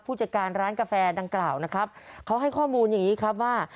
ผู้จัดการร้านกาแฟดังกล่าวนะครับเขาให้ข้อมูลอย่างนี้ครับว่า